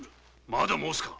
まだ申すか！